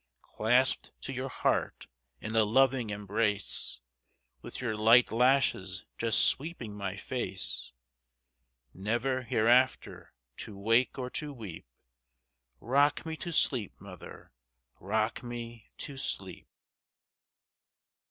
Clasped to your heart in a loving embrace, With your light lashes just sweeping my face, Never hereafter to wake or to weep;—Rock me to sleep, mother,—rock me to sleep!